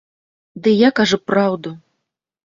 Ды я кажу праўду.